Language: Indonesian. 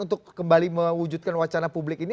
untuk kembali mewujudkan wacana publik ini